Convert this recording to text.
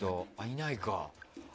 いないか。